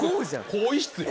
更衣室や。